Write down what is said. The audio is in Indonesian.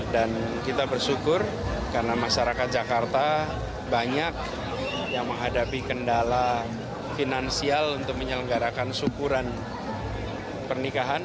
dan kita bersyukur karena masyarakat jakarta banyak yang menghadapi kendala finansial untuk menyelenggarakan syukuran pernikahan